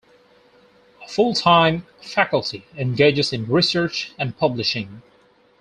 A full-time Faculty engages in research and publishing.